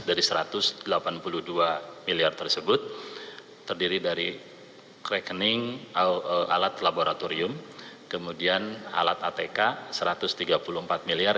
dari rp satu ratus delapan puluh dua miliar tersebut terdiri dari alat laboratorium kemudian alat atk rp satu ratus tiga puluh empat miliar